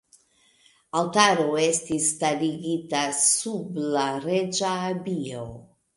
Altaro estis starigita sub la reĝa abio.